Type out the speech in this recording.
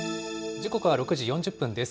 時刻は６時４０分です。